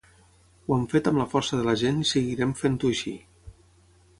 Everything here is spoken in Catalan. Ho hem fet amb la força de la gent i seguirem fent-ho així.